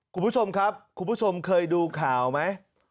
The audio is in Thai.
คุณผู้ชมครับคุณผู้ชมเคยดูข่าวไหม